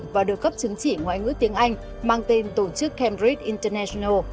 và được cấp chứng chỉ ngoại ngữ tiếng anh mang tên tổ chức cambridge international